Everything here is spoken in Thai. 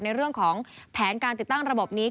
ในเรื่องของแผนการติดตั้งระบบนี้